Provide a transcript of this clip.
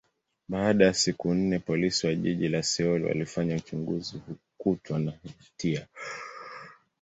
baada ya siku nne, Polisi wa jiji la Seoul walifanya uchunguzi, hakukutwa na hatia.